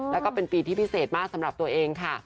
แล้วก็เป็นปีที่พิเศษมากสำหรับตัวเองค่ะ